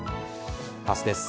明日です。